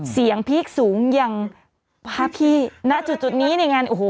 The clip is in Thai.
เสียงพีคสูงอย่างพาพี่ณจุดนี้เนี่ยงัน